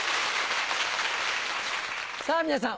さぁ皆さん